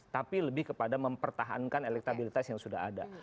tapi lebih kepada mempertahankan elektabilitas yang sudah ada